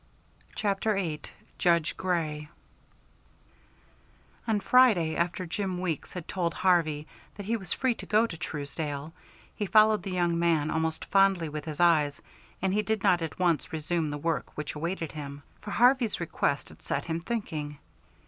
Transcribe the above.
CHAPTER VIII JUDGE GREY On Friday, after Jim Weeks had told Harvey that he was free to go to Truesdale, he followed the young man almost fondly with his eyes and he did not at once resume the work which awaited him. For Harvey's request had set him thinking.